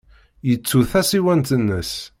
Yettu tasiwant-nnes.